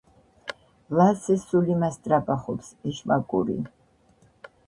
ლასე სულ იმას ტრაბახობს, ეშმაკური